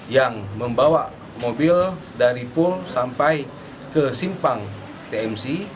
yang membawa mobil dari pul sampai ke simpang tmc